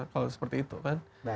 kalau seperti itu kan